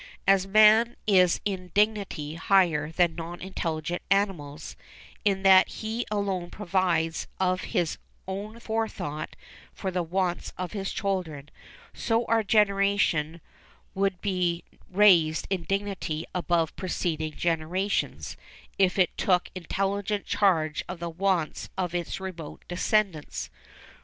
As man is in dignity higher than non intelligent animals, in that he alone provides of his own forethought for the wants of his children, so our generation would be raised in dignity above preceding generations if it took intelligent charge of the wants of its remote descendants.